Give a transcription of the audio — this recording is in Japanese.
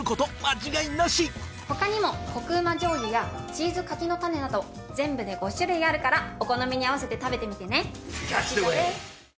他にもこく旨醤油やチーズ柿の種など全部で５種類あるからお好みに合わせて食べてみてね。